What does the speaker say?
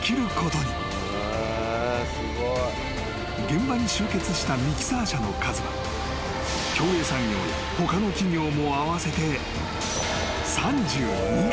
［現場に集結したミキサー車の数は協栄産業や他の企業も合わせて３２台］